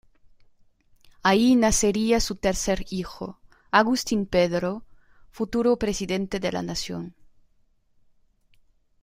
Allí nacería su tercer hijo, Agustín Pedro, futuro presidente de la Nación.